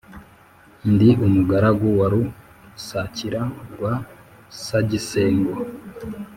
ndi umugaragu wa rusakira rwa sagisengo,